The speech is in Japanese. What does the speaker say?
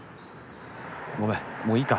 ごめんもういいか？